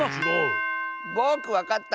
ぼくわかった！